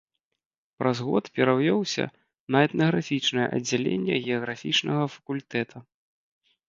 Праз год перавёўся на этнаграфічнае аддзяленне геаграфічнага факультэта.